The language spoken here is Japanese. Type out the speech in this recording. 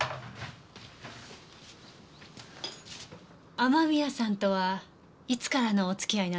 雨宮さんとはいつからのお付き合いなんですか？